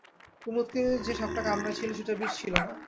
কুমুদকে যে সাপট কামড়াইয়াছিল সেটার বিষ ছিল না।